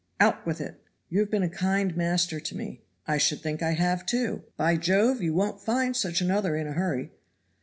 "Out with it!" "You have been a kind master to me." "I should think I have, too. By Jove, you won't find such another in a hurry."